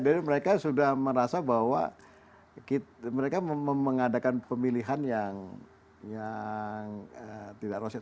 jadi mereka sudah merasa bahwa mereka mengadakan pemilihan yang tidak rasional